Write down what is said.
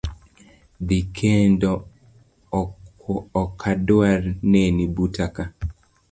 Dhi kendo okadwar neni buta ka.